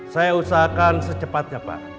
saya usahakan secepatnya pak